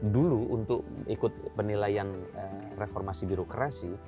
dulu untuk ikut penilaian reformasi birokrasi